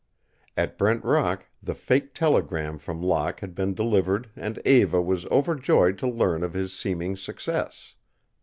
At Brent Rock, the faked telegram from Locke had been delivered and Eva was overjoyed to learn of his seeming success.